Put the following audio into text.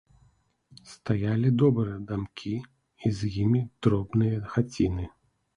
Стаялі добрыя дамкі і з імі дробныя хаціны.